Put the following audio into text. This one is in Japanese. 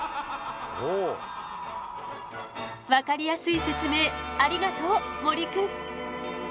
分かりやすい説明ありがとう森くん！